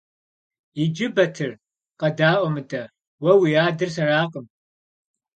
Иджы, Батыр, къэдаӀуэ мыдэ: уэ уи адэр сэракъым.